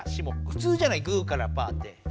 ふつうじゃないグーからパーって。